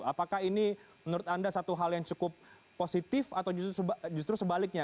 apakah ini menurut anda satu hal yang cukup positif atau justru sebaliknya